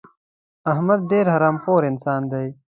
احمد ډېر حرام خور انسان دی.